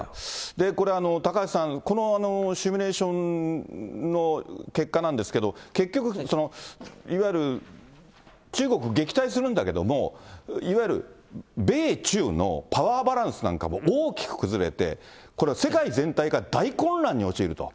これ高橋さん、このシミュレーションの結果なんですけど、結局、いわゆる中国撃退するんだけれども、いわゆる米中のパワーバランスなんかも大きく崩れて、世界全体が大混乱に陥ると。